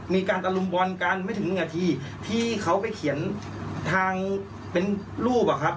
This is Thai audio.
มีการตะลุมบอลกันไม่ถึงหนึ่งนาทีที่เขาไปเขียนทางเป็นรูปอะครับ